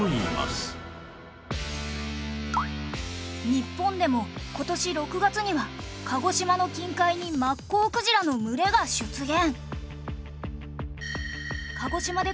日本でも今年６月には鹿児島の近海にマッコウクジラの群れが出現！